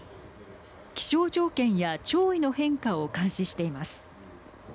気象条件や潮位の変化を監視しています。